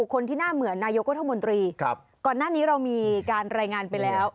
ก่อนหน้านี้เรามีการรายงานไปแล้ว